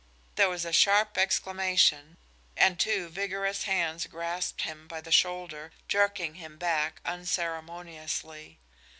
There was a sharp exclamation, and two vigorous hands grasped him by the shoulder, jerking him back unceremoniously.